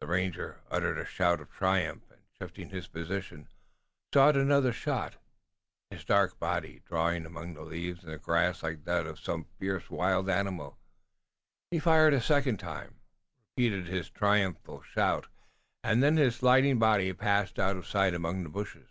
The ranger uttered a shout of triumph, and, shifting his position, sought another shot, his dark body drawn among the leaves and grass like that of some fierce wild animal. He fired a second time, repeated his triumphant shout and then his sliding body passed out of sight among the bushes.